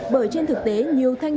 bởi trên thực tế nhiều thanh niên